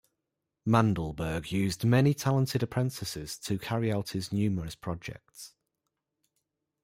Mandelberg used many talented apprentices to carry out his numerous projects.